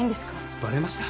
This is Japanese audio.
バレました？